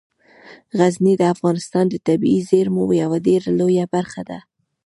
غزني د افغانستان د طبیعي زیرمو یوه ډیره لویه برخه ده.